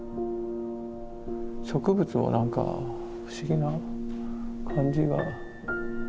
植物をなんか不思議な感じが。